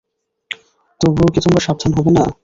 তবুও কি তোমরা সাবধান হবে না?